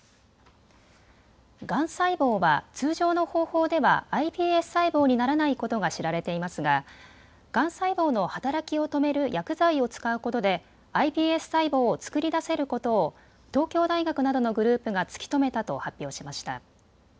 がん細胞は通常の方法ではｉＰＳ細胞にならないことが知られていますが、がん細胞の働きを止める薬剤を使うことでｉＰＳ細胞を作り出せることを東京大学などのグループが突き止めたと発表しました。